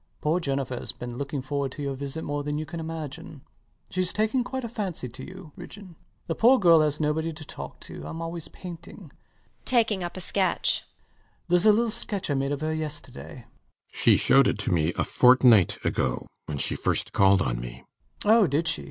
Poor Jennifer has been looking forward to your visit more than you can imagine. Shes taken quite a fancy to you, Ridgeon. The poor girl has nobody to talk to: I'm always painting. [Taking up a sketch] Theres a little sketch I made of her yesterday. RIDGEON. She shewed it to me a fortnight ago when she first called on me. LOUIS [quite unabashed] Oh! did she?